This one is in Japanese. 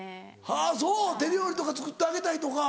はぁそう手料理とか作ってあげたいとか。